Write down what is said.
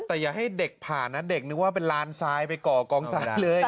แต่อย่าให้เด็กผ่านนะเด็กนึกว่าเป็นลานทรายไปก่อกองทรายเลย